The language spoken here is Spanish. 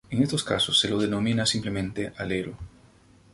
En estos casos se lo denomina simplemente alero.